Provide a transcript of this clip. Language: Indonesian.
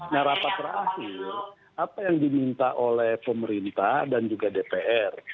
nah rapat terakhir apa yang diminta oleh pemerintah dan juga dpr